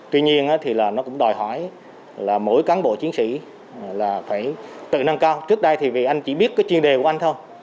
tuy nhiên nó cũng đòi hỏi là mỗi cán bộ chiến sĩ phải tự nâng cao trước đây thì anh chỉ biết chuyên đề của anh thôi